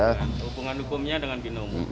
hubungan hukumnya dengan binomo